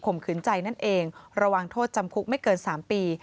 ขืนใจนั่นเองระวังโทษจำคุกไม่เกิน๓ปี